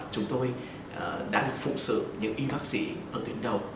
chúng tôi đã được phụ sự những y bác sĩ ở tuyến đầu